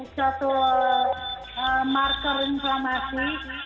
satu marker inflamasi